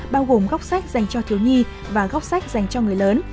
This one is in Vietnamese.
bao gồm góc sách dành cho thiếu nhi và góc sách dành cho người lớn